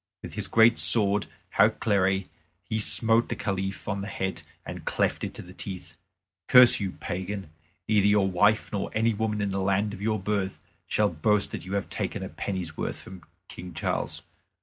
With his great sword Hautclere he smote the Caliph on his head and cleft it to the teeth. "Curse on you, pagan. Neither your wife nor any woman in the land of your birth shall boast that you have taken a penny's worth from King Charles!"